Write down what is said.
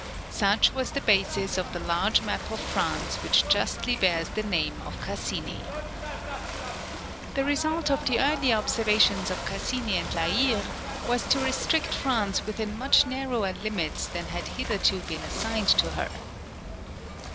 Such was the basis of the large map of France which justly bears the name of Cassini. The result of the earlier observations of Cassini and La Hire was to restrict France within much narrower limits than had hitherto been assigned to her.